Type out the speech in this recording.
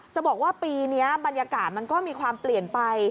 จะบอกว่าปีนี้บรรยากาศมันก็มีความเปลี่ยนไป